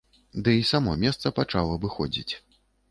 Ды й само месца пачаў абыходзіць.